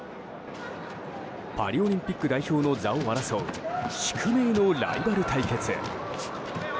パリオリンピック代表の座を争う宿命のライバル対決。